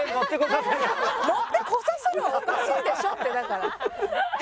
「持って来させろ」はおかしいでしょってだから。